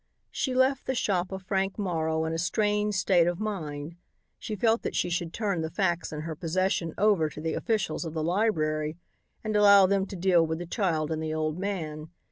She left the shop of Frank Morrow in a strange state of mind. She felt that she should turn the facts in her possession over to the officials of the library and allow them to deal with the child and the old man.